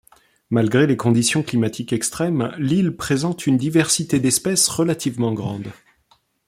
Malgré les conditions climatiques extrêmes, l'île présente une diversité d'espèces relativement grande.